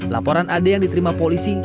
laporan ad yang diterima polisi